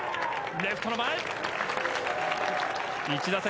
レフトの前。